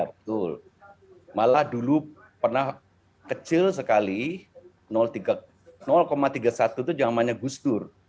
betul malah dulu pernah kecil sekali tiga puluh satu itu zamannya gus dur